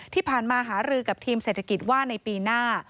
ที่ผ่านมาหารือกับทีมเศรษฐกิจว่าในปีหน้า